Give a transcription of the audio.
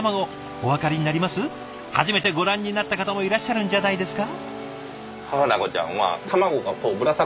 初めてご覧になった方もいらっしゃるんじゃないですか？